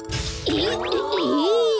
えっえっ！？